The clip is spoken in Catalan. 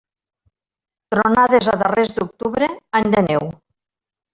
Tronades a darrers d'octubre, any de neu.